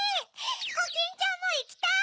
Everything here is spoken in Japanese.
コキンちゃんもいきたい！